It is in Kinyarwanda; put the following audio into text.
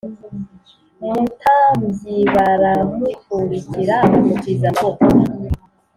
umutambyibaramukurikira bamutiza amaboko.